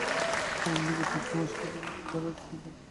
আমার নিকট হইতে তোমার স্বামীর জীবন ব্যতীত আর একটি বর প্রার্থনা কর।